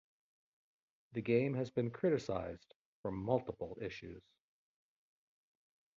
The game has been criticized for multiple issues.